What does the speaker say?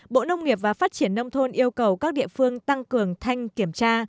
bộ nông nghiệp và phát triển nông thôn yêu cầu các địa phương tăng cường thanh kiểm tra